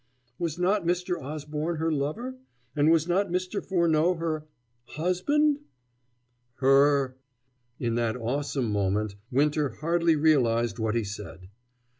"Was not Mr. Osborne her lover? And was not Mr. Furneaux her husband?" "Her !" In that awesome moment Winter hardly realized what he said.